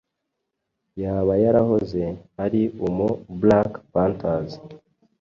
yaba yarahoze ari umu Black Panthers